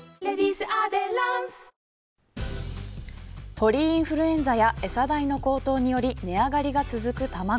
鳥インフルエンザや餌代の高騰により値上がりが続く卵。